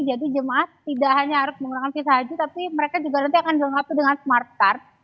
jadi jemaah tidak hanya harus menggunakan visa haji tapi mereka juga nanti akan dilengkapi dengan smart card